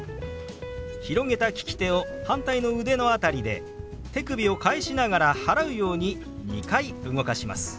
広げた利き手を反対の腕の辺りで手首を返しながら払うように２回動かします。